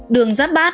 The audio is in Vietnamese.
đường giáp bát